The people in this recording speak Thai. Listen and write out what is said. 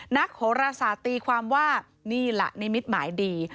นักโฮราสาติความว่านี่แหละนิมิตหมายดี